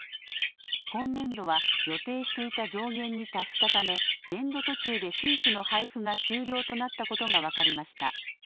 今年度は予定していた上限に達したため年度途中で新規の配付が終了となったことが分かりました。